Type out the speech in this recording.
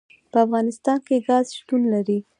په افغانستان کې ګاز شتون لري.